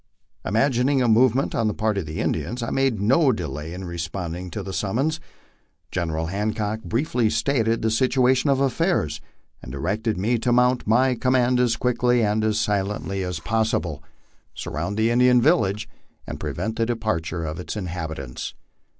Im agining a movement on the part of the Indians, I made no delay in responding to the summons. General Hancock briefly stated the situation of affairs, antj directed me to mount my command as quickly and as silently as possible, sur 28 MY LIFE ON THE PLAINS. round the Indian village, and prevent the departure of its inhabitants.